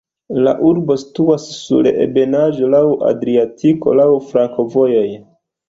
La urbo situas sur ebenaĵo, laŭ Adriatiko, laŭ flankovojoj.